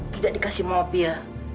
tidak dikasih mobil